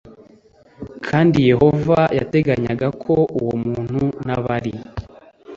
Kandi Yehova yateganyaga ko uwo muntu n’abari